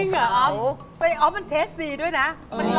หนูเอาเอง